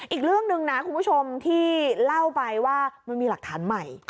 อีกเรื่องหนึ่งนะคุณผู้ชมที่เล่าไปว่ามันมีหลักฐานใหม่